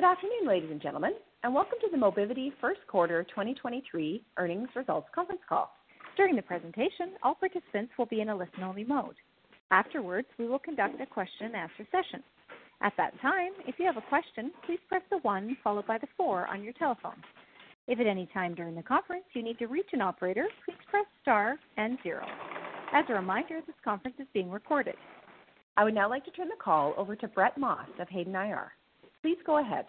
Good afternoon, ladies and gentlemen, welcome to the Mobivity first quarter 2023 earnings results conference call. During the presentation, all participants will be in a listen-only mode. Afterwards, we will conduct a question-and-answer session. At that time, if you have a question, please press 1 followed by 4 on your telephone. If at any time during the conference you need to reach an operator, please press star and 0. As a reminder, this conference is being recorded. I would now like to turn the call over to Brett Maas of Hayden IR. Please go ahead.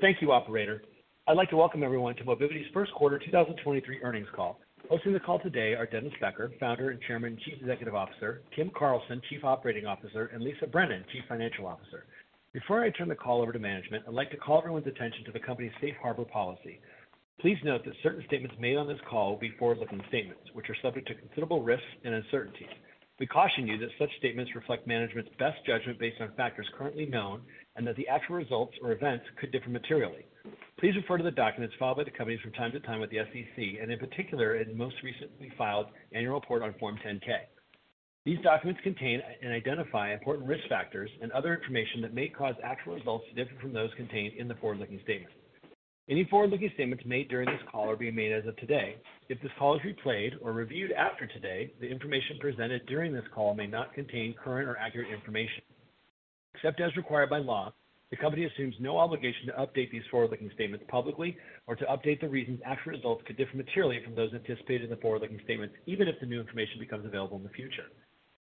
Thank you, operator. I'd like to welcome everyone to Mobivity's first quarter 2023 earnings call. Hosting the call today are Dennis Becker, Founder and Chairman Chief Executive Officer, Kim Carlson, Chief Operating Officer, and Lisa Brennan, Chief Financial Officer. Before I turn the call over to management, I'd like to call everyone's attention to the company's Safe Harbor policy. Please note that certain statements made on this call will be forward-looking statements, which are subject to considerable risks and uncertainties. We caution you that such statements reflect management's best judgment based on factors currently known, and that the actual results or events could differ materially. Please refer to the documents filed by the company from time to time with the SEC, and in particular, in most recently filed annual report on Form 10-K. These documents contain and identify important risk factors and other information that may cause actual results to differ from those contained in the forward-looking statements. Any forward-looking statements made during this call are being made as of today. If this call is replayed or reviewed after today, the information presented during this call may not contain current or accurate information. Except as required by law, the company assumes no obligation to update these forward-looking statements publicly or to update the reasons actual results could differ materially from those anticipated in the forward-looking statements, even if the new information becomes available in the future.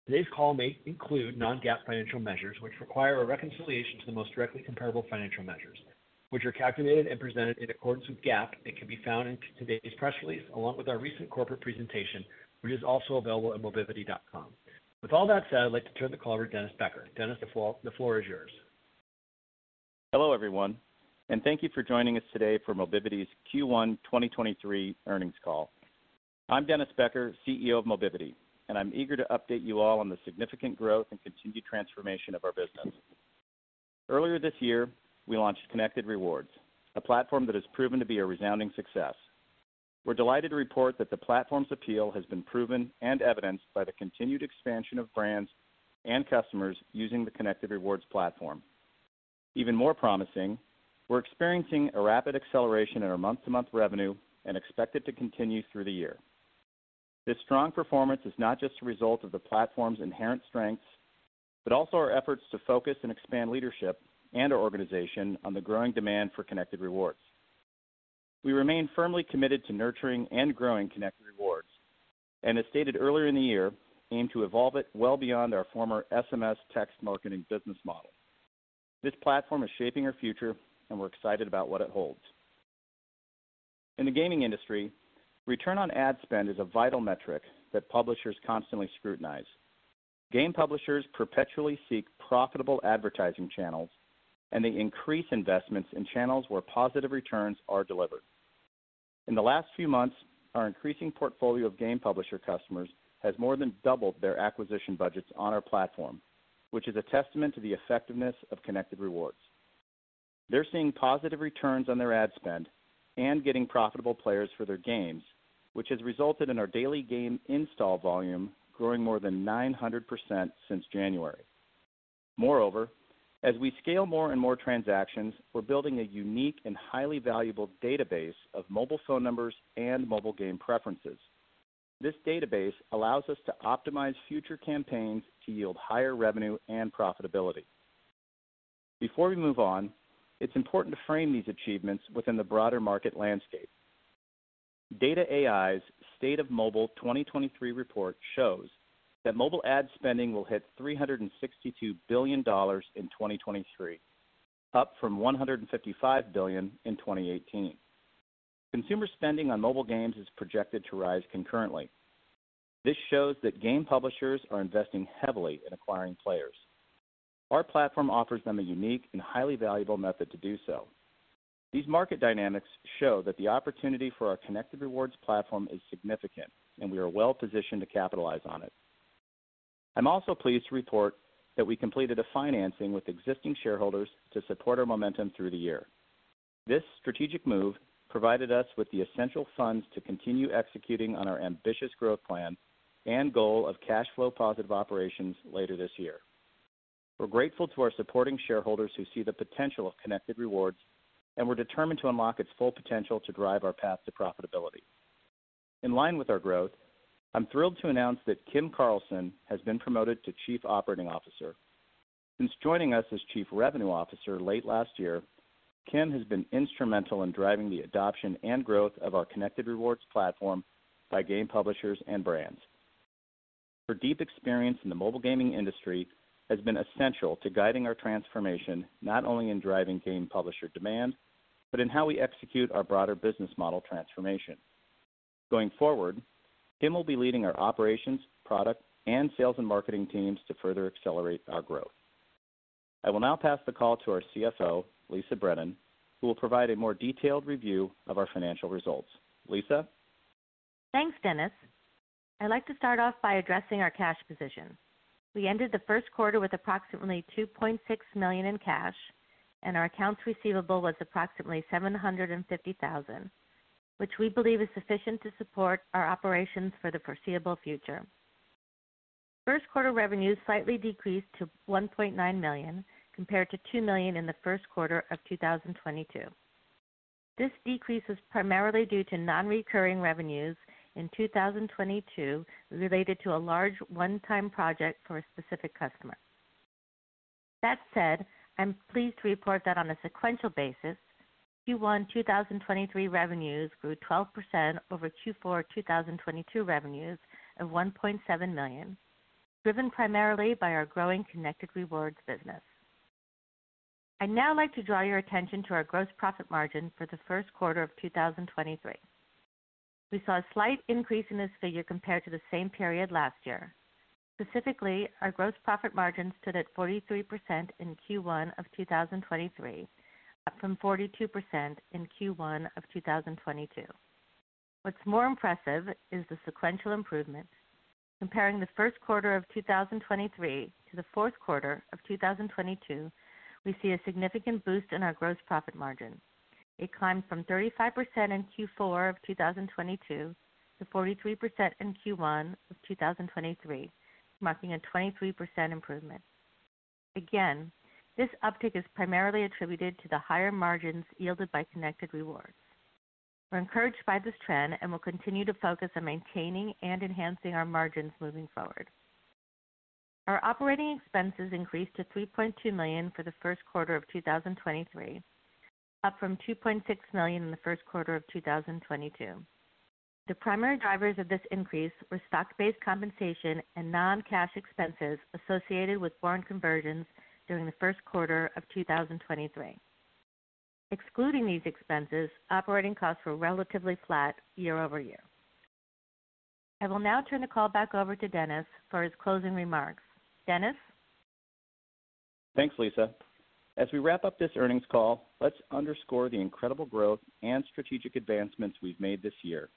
Today's call may include non-GAAP financial measures, which require a reconciliation to the most directly comparable financial measures, which are calculated and presented in accordance with GAAP and can be found in today's press release, along with our recent corporate presentation, which is also available at mobivity.com. With all that said, I'd like to turn the call over to Dennis Becker. Dennis, the floor is yours. Hello, everyone, and thank you for joining us today for Mobivity's Q1 2023 earnings call. I'm Dennis Becker, CEO of Mobivity, and I'm eager to update you all on the significant growth and continued transformation of our business. Earlier this year, we launched Connected Rewards, a platform that has proven to be a resounding success. We're delighted to report that the platform's appeal has been proven and evidenced by the continued expansion of brands and customers using the Connected Rewards platform. Even more promising, we're experiencing a rapid acceleration in our month-to-month revenue and expect it to continue through the year. This strong performance is not just a result of the platform's inherent strengths, but also our efforts to focus and expand leadership and our organization on the growing demand for Connected Rewards. We remain firmly committed to nurturing and growing Connected Rewards, and as stated earlier in the year, aim to evolve it well beyond our former SMS text marketing business model. This platform is shaping our future, and we're excited about what it holds. In the gaming industry, return on ad spend is a vital metric that publishers constantly scrutinize. Game publishers perpetually seek profitable advertising channels, and they increase investments in channels where positive returns are delivered. In the last few months, our increasing portfolio of game publisher customers has more than doubled their acquisition budgets on our platform, which is a testament to the effectiveness of Connected Rewards. They're seeing positive returns on their ad spend and getting profitable players for their games, which has resulted in our daily game install volume growing more than 900% since January. Moreover, as we scale more and more transactions, we're building a unique and highly valuable database of mobile phone numbers and mobile game preferences. This database allows us to optimize future campaigns to yield higher revenue and profitability. Before we move on, it's important to frame these achievements within the broader market landscape. data.ai State of Mobile 2023 report shows that mobile ad spending will hit $362 billion in 2023, up from $155 billion in 2018. Consumer spending on mobile games is projected to rise concurrently. This shows that game publishers are investing heavily in acquiring players. Our platform offers them a unique and highly valuable method to do so. These market dynamics show that the opportunity for our Connected Rewards platform is significant, and we are well positioned to capitalize on it. I'm also pleased to report that we completed a financing with existing shareholders to support our momentum through the year. This strategic move provided us with the essential funds to continue executing on our ambitious growth plan and goal of cash flow positive operations later this year. We're grateful to our supporting shareholders who see the potential of Connected Rewards. We're determined to unlock its full potential to drive our path to profitability. In line with our growth, I'm thrilled to announce that Kim Carlson has been promoted to Chief Operating Officer. Since joining us as Chief Revenue Officer late last year, Kim has been instrumental in driving the adoption and growth of our Connected Rewards platform by game publishers and brands. Her deep experience in the mobile gaming industry has been essential to guiding our transformation, not only in driving game publisher demand, but in how we execute our broader business model transformation. Going forward, Kim will be leading our operations, product, and sales and marketing teams to further accelerate our growth. I will now pass the call to our CFO, Lisa Brennan, who will provide a more detailed review of our financial results. Lisa? Thanks, Dennis. I'd like to start off by addressing our cash position. We ended the first quarter with approximately $2.6 million in cash, and our accounts receivable was approximately $750,000, which we believe is sufficient to support our operations for the foreseeable future. First quarter revenues slightly decreased to $1.9 million compared to $2 million in the first quarter of 2022. This decrease is primarily due to non-recurring revenues in 2022 related to a large one-time project for a specific customer. That said, I'm pleased to report that on a sequential basis, Q1 2023 revenues grew 12% over Q4 2022 revenues of $1.7 million, driven primarily by our growing Connected Rewards business. I'd now like to draw your attention to our gross profit margin for the first quarter of 2023. We saw a slight increase in this figure compared to the same period last year. Specifically, our gross profit margin stood at 43% in Q1 of 2023, up from 42% in Q1 of 2022. What's more impressive is the sequential improvement. Comparing the first quarter of 2023 to the fourth quarter of 2022, we see a significant boost in our gross profit margin. It climbed from 35% in Q4 of 2022 to 43% in Q1 of 2023, marking a 23% improvement. This uptick is primarily attributed to the higher margins yielded by Connected Rewards. We're encouraged by this trend and will continue to focus on maintaining and enhancing our margins moving forward. Our operating expenses increased to $3.2 million for the first quarter of 2023, up from $2.6 million in the first quarter of 2022. The primary drivers of this increase were stock-based compensation and non-cash expenses associated with foreign conversions during the first quarter of 2023. Excluding these expenses, operating costs were relatively flat year-over-year. I will now turn the call back over to Dennis for his closing remarks. Dennis? Thanks, Lisa. As we wrap up this earnings call, let's underscore the incredible growth and strategic advancements we've made this year,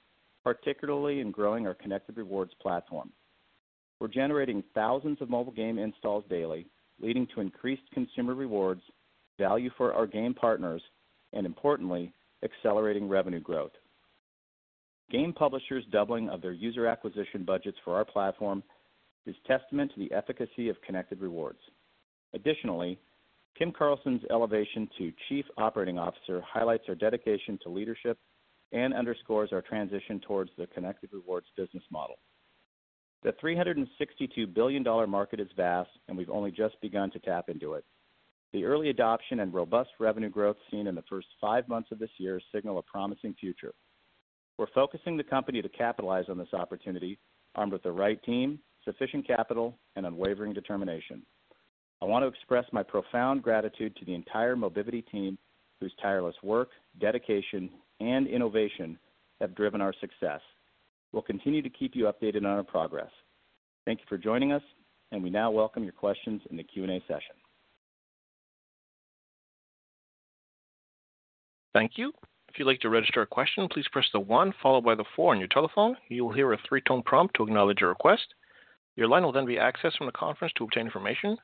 particularly in growing our Connected Rewards platform. We're generating thousands of mobile game installs daily, leading to increased consumer rewards, value for our game partners, and importantly, accelerating revenue growth. Game publishers doubling of their user acquisition budgets for our platform is testament to the efficacy of Connected Rewards. Additionally, Kim Carlson's elevation to Chief Operating Officer highlights our dedication to leadership and underscores our transition towards the Connected Rewards business model. The $362 billion market is vast, and we've only just begun to tap into it. The early adoption and robust revenue growth seen in the first five months of this year signal a promising future. We're focusing the company to capitalize on this opportunity armed with the right team, sufficient capital, and unwavering determination. I want to express my profound gratitude to the entire Mobivity team whose tireless work, dedication, and innovation have driven our success. We'll continue to keep you updated on our progress. Thank you for joining us, and we now welcome your questions in the Q&A session. Thank you. If you'd like to register a question, please press the one followed by the four on your telephone. You will hear a 3-tone prompt to acknowledge your request. Your line will be accessed from the conference to obtain information.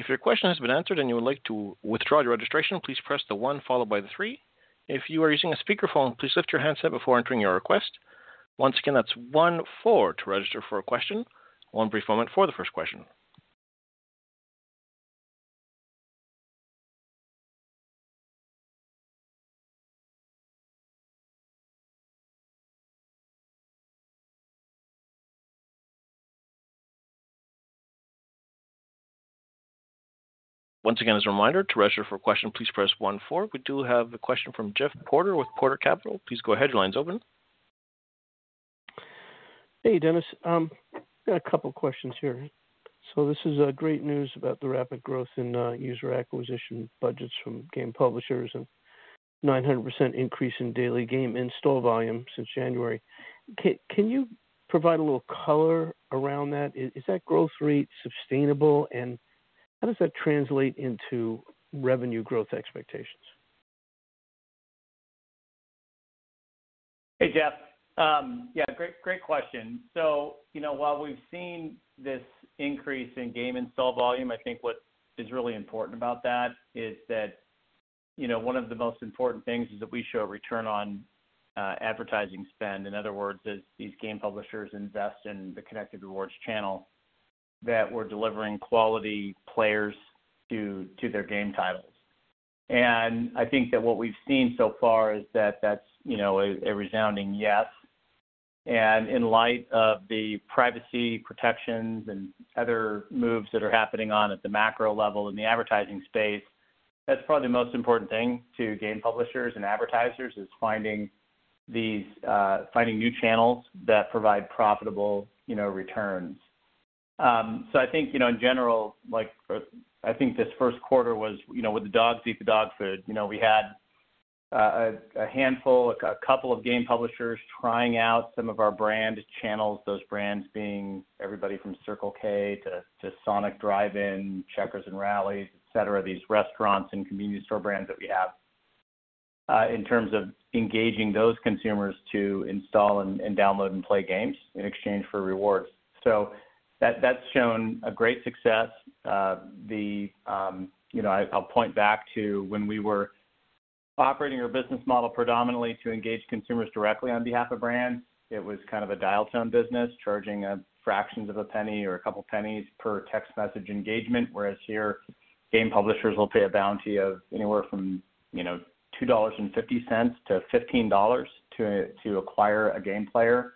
If your question has been answered and you would like to withdraw your registration, please press the one followed by the three. If you are using a speakerphone, please lift your handset before entering your request. Once again, that's one, four to register for a question. 1 brief moment for the first question. Once again, as a reminder, to register for a question, please press one, four. We do have a question from Jeff Porter with Porter Capital. Please go ahead. Your line is open. Hey, Dennis. got a couple questions here. This is great news about the rapid growth in user acquisition budgets from game publishers and 900% increase in daily game install volume since January. Can you provide a little color around that? Is that growth rate sustainable and how does that translate into revenue growth expectations? Hey, Jeff. Yeah, great question. You know, while we've seen this increase in game install volume, I think what is really important about that is that, you know, one of the most important things is that we show return on advertising spend. In other words, as these game publishers invest in the Connected Rewards channel, that we're delivering quality players to their game titles. I think that what we've seen so far is that that's, you know, a resounding yes. In light of the privacy protections and other moves that are happening at the macro level in the advertising space, that's probably the most important thing to game publishers and advertisers is finding these finding new channels that provide profitable, you know, returns. I think, you know, in general, like for I think this first quarter was, you know, with the dogs eat the dog food. You know, we had a handful, a couple of game publishers trying out some of our brand channels. Those brands being everybody from Circle K to Sonic Drive-In, Checkers & Rally's, et cetera. These restaurants and convenience store brands that we have, in terms of engaging those consumers to install and download and play games in exchange for rewards. That's shown a great success. The, you know, I'll point back to when we were operating our business model predominantly to engage consumers directly on behalf of brands. It was kind of a dial tone business, charging fractions of a penny or a couple pennies per text message engagement, whereas here, game publishers will pay a bounty of anywhere from, you know, $2.50 to $15 to acquire a game player.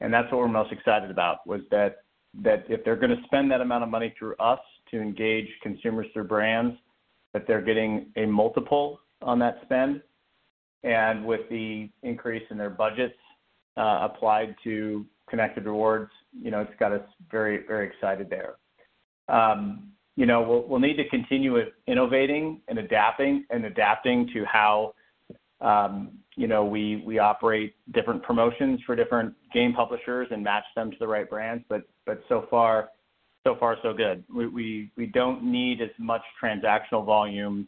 That's what we're most excited about, was that if they're gonna spend that amount of money through us to engage consumers through brands, that they're getting a multiple on that spend. With the increase in their budgets applied to Connected Rewards, you know, it's got us very excited there. You know, we'll need to continue with innovating and adapting to how, you know, we operate different promotions for different game publishers and match them to the right brands. So far, so good. We don't need as much transactional volume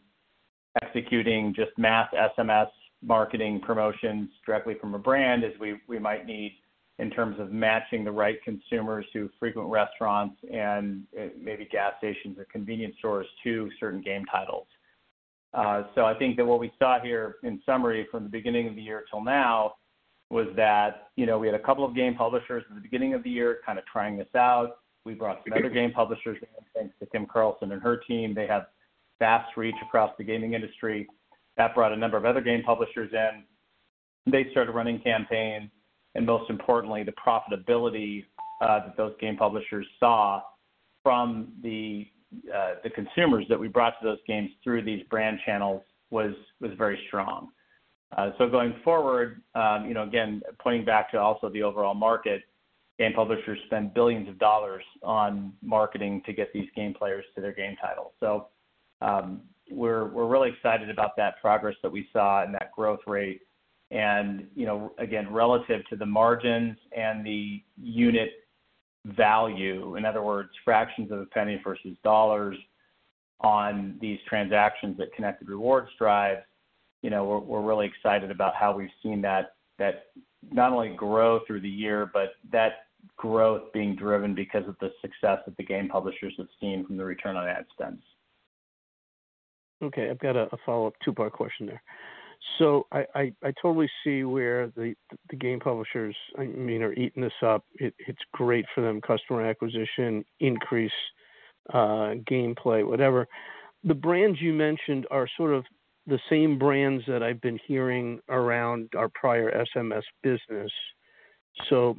executing just mass SMS marketing promotions directly from a brand as we might need in terms of matching the right consumers who frequent restaurants and maybe gas stations or convenience stores to certain game titles. I think that what we saw here in summary from the beginning of the year till now was that, you know, we had a couple of game publishers at the beginning of the year kind of trying this out. We brought some other game publishers in, thanks to Kim Carlson and her team. They have vast reach across the gaming industry. That brought a number of other game publishers in. They started running campaigns. Most importantly, the profitability that those game publishers saw from the consumers that we brought to those games through these brand channels was very strong. Going forward, you know, again, pointing back to also the overall market, game publishers spend billions of dollars on marketing to get these game players to their game title. We're really excited about that progress that we saw and that growth rate. You know, again, relative to the margins and the unit value, in other words, fractions of a penny versus dollars on these transactions that Connected Rewards drive, you know, we're really excited about how we've seen that not only grow through the year, but that growth being driven because of the success that the game publishers have seen from the return on ad spend. Okay, I've got a follow-up two-part question there. I totally see where the game publishers, I mean, are eating this up. It's great for them. Customer acquisition, increase gameplay, whatever.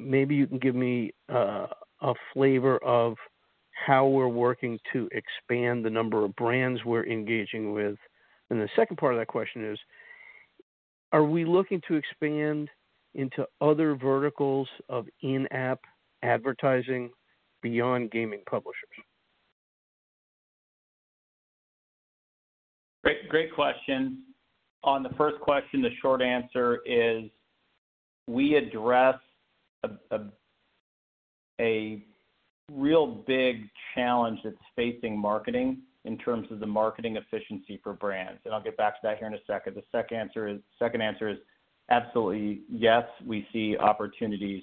Maybe you can give me a flavor of how we're working to expand the number of brands we're engaging with. The second part of that question is, are we looking to expand into other verticals of in-app advertising beyond gaming publishers? Great question. On the first question, the short answer is, we address a real big challenge that's facing marketing in terms of the marketing efficiency for brands, and I'll get back to that here in a second. The second answer is absolutely yes, we see opportunities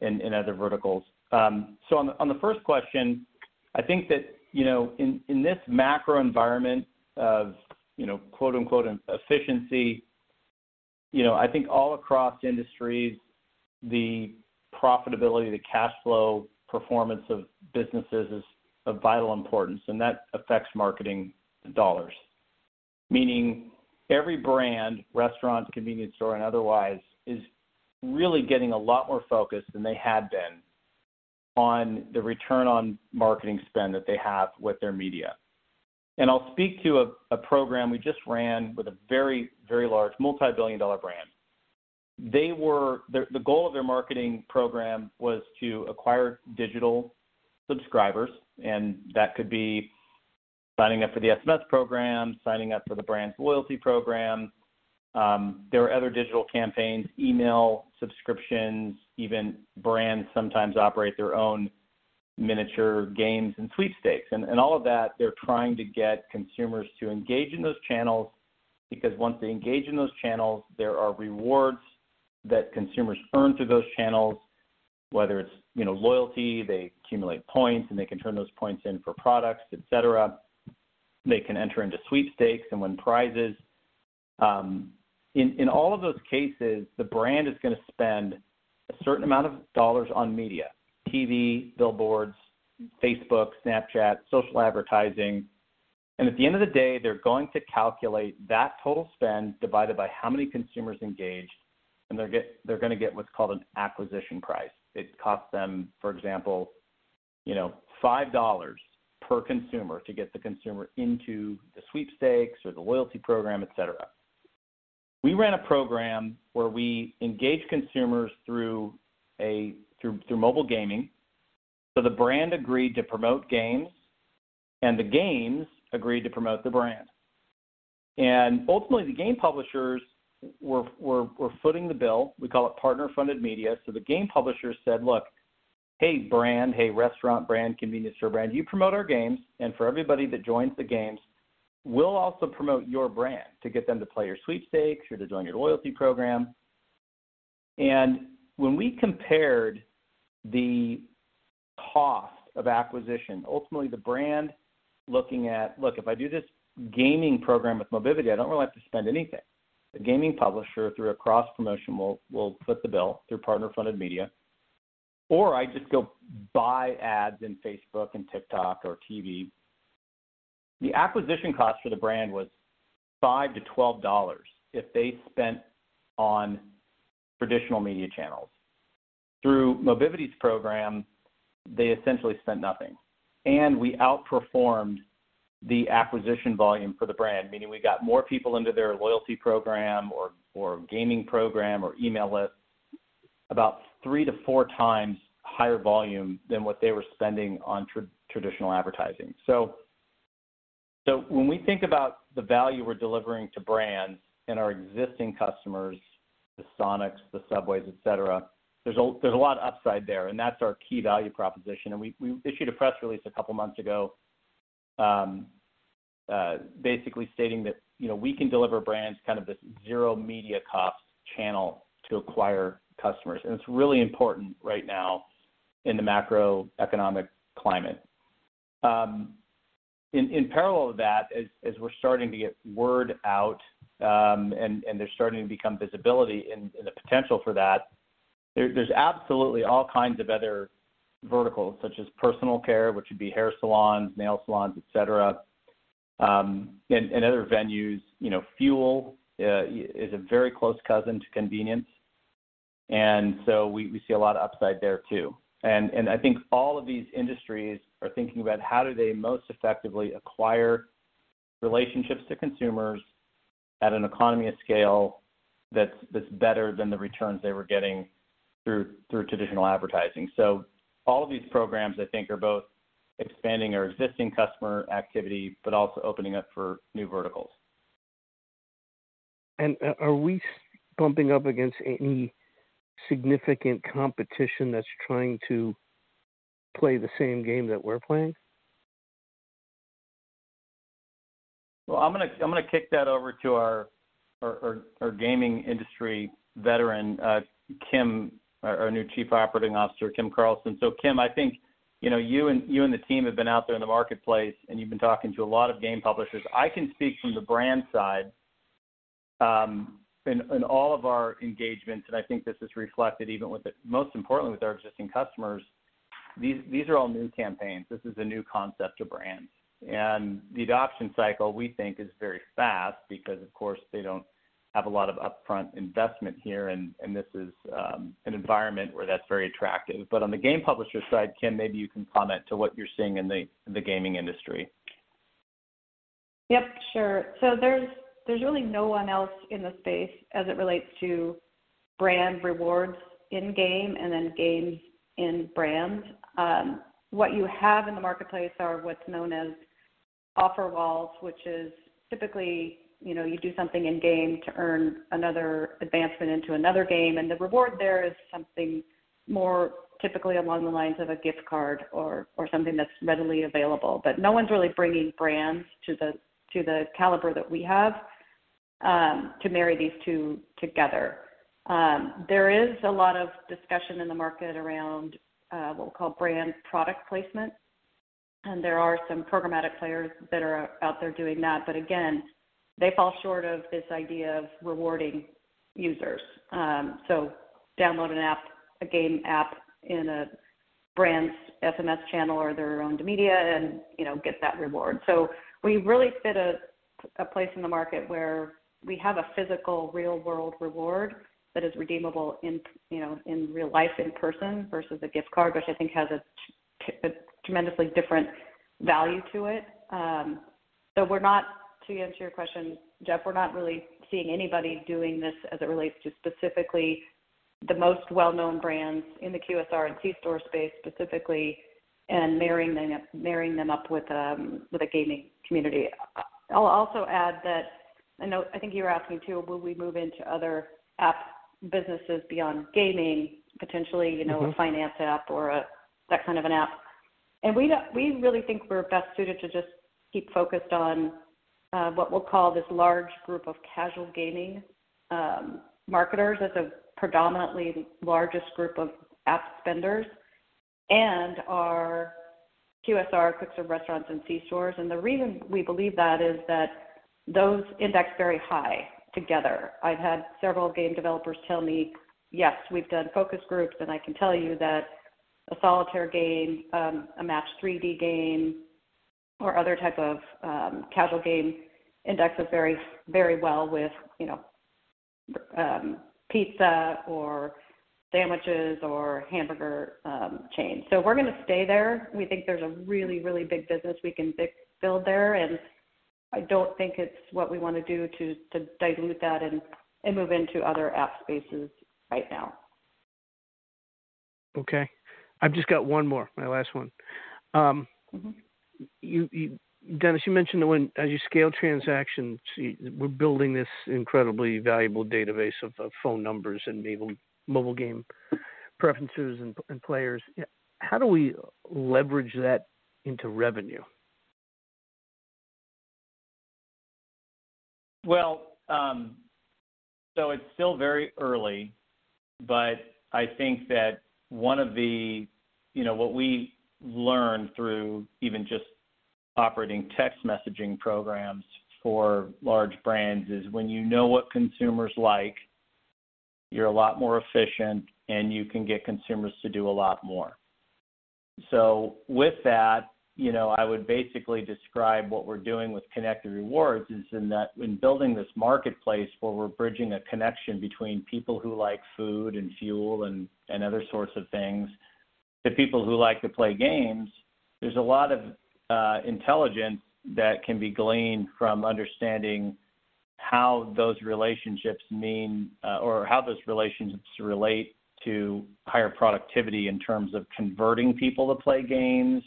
in other verticals. On the first question, I think that, you know, in this macro environment of, you know, quote-unquote "efficiency," you know, I think all across industries, the profitability, the cash flow performance of businesses is of vital importance, and that affects marketing dollars. Meaning every brand, restaurant, convenience store, and otherwise is really getting a lot more focused than they had been on the return on marketing spend that they have with their media. I'll speak to a program we just ran with a very, very large multi-billion dollar brand. The goal of their marketing program was to acquire digital subscribers, and that could be signing up for the SMS program, signing up for the brand's loyalty program. There were other digital campaigns, email subscriptions, even brands sometimes operate their own miniature games and sweepstakes. All of that, they're trying to get consumers to engage in those channels, because once they engage in those channels, there are rewards that consumers earn through those channels, whether it's, you know, loyalty, they accumulate points, and they can turn those points in for products, et cetera. They can enter into sweepstakes and win prizes. In all of those cases, the brand is gonna spend a certain amount of dollars on media: TV, billboards, Facebook, Snapchat, social advertising. At the end of the day, they're going to calculate that total spend divided by how many consumers engaged, and they're gonna get what's called an acquisition price. It costs them, for example, you know, $5 per consumer to get the consumer into the sweepstakes or the loyalty program, et cetera. We ran a program where we engaged consumers through mobile gaming. The brand agreed to promote games, and the games agreed to promote the brand. Ultimately, the game publishers were footing the bill. We call it partner-funded media. The game publishers said, "Look. Hey, brand. Hey, restaurant brand, convenience store brand. You promote our games, and for everybody that joins the games, we'll also promote your brand to get them to play your sweepstakes or to join your loyalty program. When we compared the cost of acquisition, ultimately the brand looking at, look, if I do this gaming program with Mobivity, I don't really have to spend anything. A gaming publisher through a cross-promotion will foot the bill through partner-funded media, or I just go buy ads in Facebook and TikTok or TV. The acquisition cost for the brand was $5-$12 if they spent on traditional media channels. Through Mobivity's program, they essentially spent nothing, and we outperformed the acquisition volume for the brand, meaning we got more people into their loyalty program or gaming program or email list about 3x to 4x higher volume than what they were spending on traditional advertising. When we think about the value we're delivering to brands and our existing customers, the Sonic, the Subway, et cetera, there's a lot of upside there, and that's our key value proposition. We issued a press release a couple months ago, basically stating that, you know, we can deliver brands kind of this zero media cost channel to acquire customers. It's really important right now in the macroeconomic climate. In parallel to that, as we're starting to get word out, and there's starting to become visibility in the potential for that, there's absolutely all kinds of other verticals such as personal care, which would be hair salons, nail salons, et cetera, and other venues. You know, fuel is a very close cousin to convenience. We see a lot of upside there too. I think all of these industries are thinking about how do they most effectively acquire relationships to consumers at an economy of scale that's better than the returns they were getting through traditional advertising. All of these programs, I think, are both expanding our existing customer activity, but also opening up for new verticals. Are we bumping up against any significant competition that's trying to play the same game that we're playing? I'm gonna kick that over to our gaming industry veteran, Kim, our new Chief Operating Officer, Kim Carlson. Kim, I think, you know, you and the team have been out there in the marketplace, and you've been talking to a lot of game publishers. I can speak from the brand side, in all of our engagements, and I think this is reflected even most importantly, with our existing customers, these are all new campaigns. This is a new concept to brands. The adoption cycle, we think, is very fast because of course, they don't have a lot of upfront investment here and this is an environment where that's very attractive. On the game publisher side, Kim, maybe you can comment to what you're seeing in the gaming industry. Yep, sure. There's, there's really no one else in the space as it relates to brand rewards in-game and then games in brands. What you have in the marketplace are what's known as offer walls, which is typically, you know, you do something in-game to earn another advancement into another game, and the reward there is something more typically along the lines of a gift card or something that's readily available. No one's really bringing brands to the, to the caliber that we have, to marry these two together. There is a lot of discussion in the market around what we'll call brand product placement. There are some programmatic players that are out there doing that. Again, they fall short of this idea of rewarding users. Download an app, a game app in a brand's SMS channel or their owned media and, you know, get that reward. We really fit a place in the market where we have a physical real-world reward that is redeemable in, you know, in real life in person versus a gift card, which I think has a tremendously different value to it. We're not, to answer your question, Jeff, we're not really seeing anybody doing this as it relates to specifically the most well-known brands in the QSR and C-store space specifically, and marrying them up with a gaming community. I'll also add that I think you were asking too, will we move into other app businesses beyond gaming, potentially, you know. Mm-hmm A finance app or that kind of an app. We really think we're best suited to just keep focused on what we'll call this large group of casual gaming marketers as a predominantly largest group of app spenders and our QSR, quick service restaurants, and C-stores. The reason we believe that is that those index very high together. I've had several game developers tell me, "Yes, we've done focus groups, and I can tell you that a solitaire game, a Match 3D game or other type of casual game indexes very, very well with, you know, pizza or sandwiches or hamburger chains." We're gonna stay there. We think there's a really, really big business we can build there. I don't think it's what we wanna do to dilute that and move into other app spaces right now. Okay. I've just got one more. My last one. Dennis, you mentioned that as you scale transactions, we're building this incredibly valuable database of phone numbers and mobile game preferences and players. How do we leverage that into revenue? It's still very early, but I think that one of the... You know, what we learned through even just operating text messaging programs for large brands is when you know what consumers like, you're a lot more efficient, and you can get consumers to do a lot more. With that, you know, I would basically describe what we're doing with Connected Rewards is in that in building this marketplace where we're bridging a connection between people who like food and fuel and other sorts of things, to people who like to play games, there's a lot of intelligence that can be gleaned from understanding how those relationships mean, or how those relationships relate to higher productivity in terms of converting people to play games,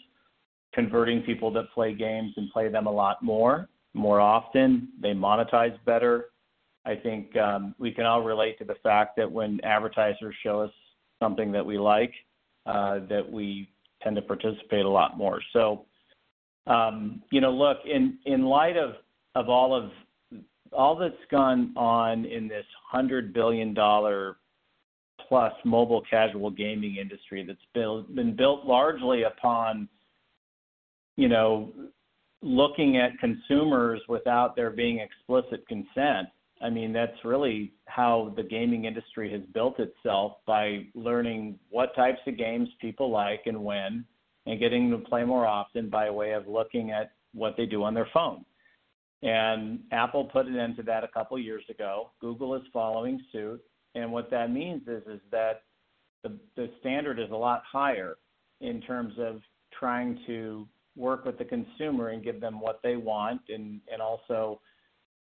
converting people that play games and play them a lot more, more often, they monetize better. I think, we can all relate to the fact that when advertisers show us something that we like, that we tend to participate a lot more. You know, look, in light of all of, all that's gone on in this $100 billion plus mobile casual gaming industry that's been built largely upon, you know, looking at consumers without there being explicit consent. I mean, that's really how the gaming industry has built itself by learning what types of games people like and when, and getting them to play more often by way of looking at what they do on their phone. Apple put an end to that a couple years ago. Google is following suit. What that means is that the standard is a lot higher in terms of trying to work with the consumer and give them what they want and also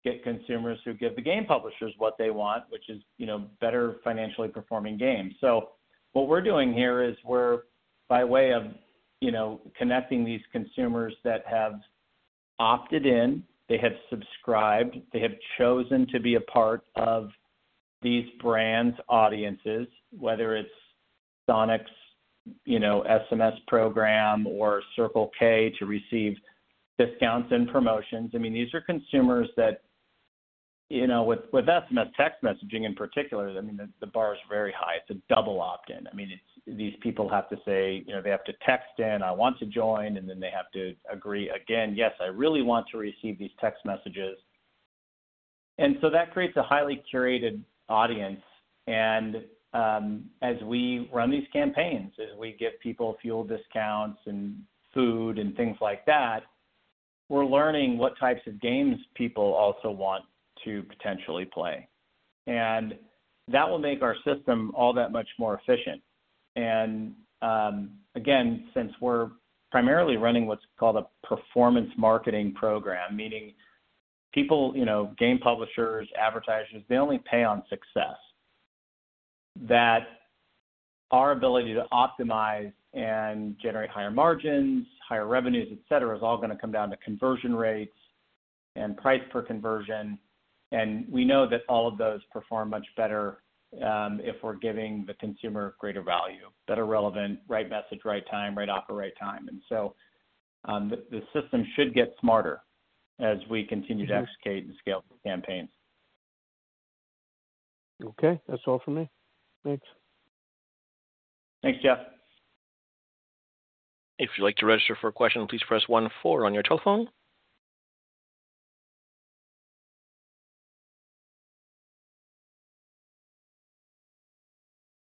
get consumers who give the game publishers what they want, which is, you know, better financially performing games. What we're doing here is we're by way of, you know, connecting these consumers that have opted in, they have subscribed, they have chosen to be a part of these brands' audiences, whether it's Sonic's, you know, SMS program or Circle K to receive discounts and promotions. I mean, these are consumers that, you know, with SMS text messaging in particular, I mean, the bar is very high. It's a double opt-in. I mean, these people have to say... You know, they have to text in, "I want to join," and then they have to agree again, "Yes, I really want to receive these text messages." That creates a highly curated audience. As we run these campaigns, as we give people fuel discounts and food and things like that, we're learning what types of games people also want to potentially play. That will make our system all that much more efficient. Again, since we're primarily running what's called a performance marketing program, meaning people, you know, game publishers, advertisers, they only pay on success, that our ability to optimize and generate higher margins, higher revenues, et cetera, is all gonna come down to conversion rates and price per conversion. We know that all of those perform much better if we're giving the consumer greater value, better relevant, right message, right time, right offer, right time. The system should get smarter as we continue to execute and scale the campaign. Okay. That's all for me. Thanks. Thanks, Jeff. If you'd like to register for a question, please press one four on your telephone.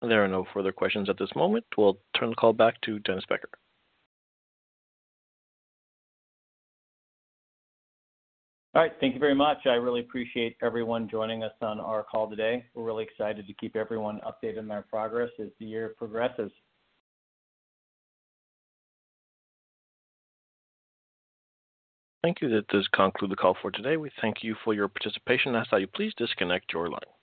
There are no further questions at this moment. We'll turn the call back to Dennis Becker. Thank you very much. I really appreciate everyone joining us on our call today. We're really excited to keep everyone updated on our progress as the year progresses. Thank you. That does conclude the call for today. We thank you for your participation and ask that you please disconnect your line.